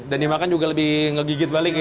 dan dimakan juga lebih ngegigit balik ya